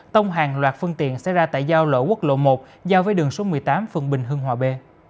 tông hàng loạt phân tiện xe ra tại giao lỗ quốc lộ một giao với đường số một mươi tám phần bình hương hòa b